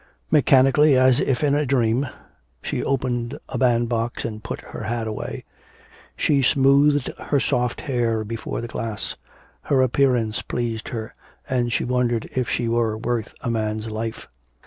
Mechanically, as if in a dream, she opened a bandbox and put her hat away. She smoothed her soft hair before the glass. Her appearance pleased her, and she wondered if she were worth a man's life.